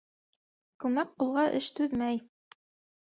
Күмәк ҡулға эш түҙмәй.